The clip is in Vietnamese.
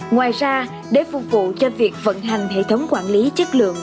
ngoài ra để phục vụ cho việc vận hành hệ thống quản lý chất lượng